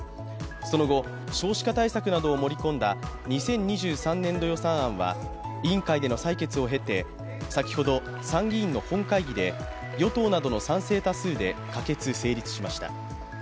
その後、少子化対策などを盛り込んだ２０２３年度予算案は委員会での採決を経て、先ほど、参議院の本会議で与党などの賛成多数で可決・成立しました。